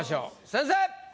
先生！